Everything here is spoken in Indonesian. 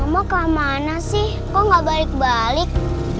mau kemana sih kok gak balik balik